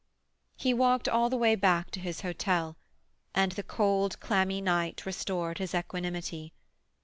He walked all the way back to his hotel, and the cold, clammy night restored his equanimity.